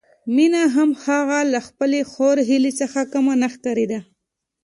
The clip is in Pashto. مينه هم هغه له خپلې خور هيلې څخه کمه نه ښکارېده